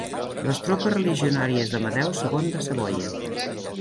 Les tropes religionàries d'Amadeu segon de Savoia.